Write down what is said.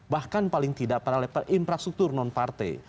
bahkan paling tidak pada level infrastruktur non partai